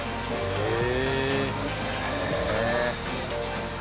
へえ。